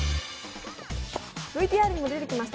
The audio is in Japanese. ＶＴＲにも出てきました